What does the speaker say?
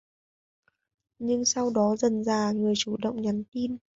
Nhưng sau đó dần dà người chủ động nhắn tin